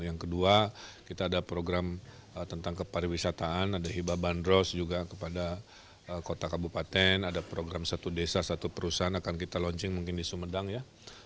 yang kedua kita ada program tentang kepariwisataan ada hibah bandros juga kepada kota kabupaten ada program satu desa satu perusahaan akan kita launching mungkin di sumedang ya